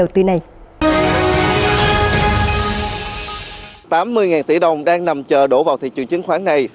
tám mươi tỷ đồng đang nằm chờ đổ vào thị trường chứng khoán này